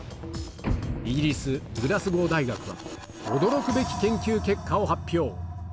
イギリス、グラスゴー大学は、驚くべき研究結果を発表。